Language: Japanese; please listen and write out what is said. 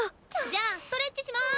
じゃあストレッチします！